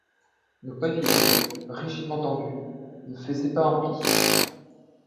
Nos pavillons, rigidement tendus, ne faisaient pas un pli.